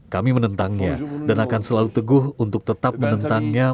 kami menentangnya dan akan selalu teguh untuk tetap menentangnya